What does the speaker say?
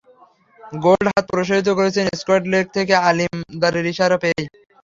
Gold হাত প্রসারিত করেছেন স্কয়ার লেগ থেকে আলিম দারের ইশারা পেয়েই।